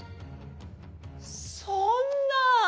そんな！